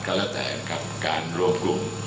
ก็และแต่กับการรวมกลุ่ม